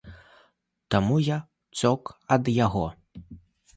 Таму я ўцёк ад яго.